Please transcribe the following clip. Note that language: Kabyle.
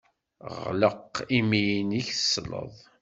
Ɣleq imi-nnek, tesleḍ.